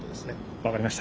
分かりました。